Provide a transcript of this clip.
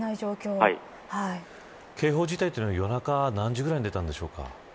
警報事態というのは夜中何時ぐらいに出たんでしょうか。